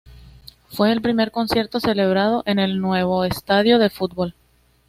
Fue el primer concierto celebrado en el nuevo estadio de fútbol.